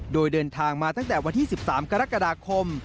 โดยเดินทางมาตั้งแต่วันที่๑๓กรกฎาคม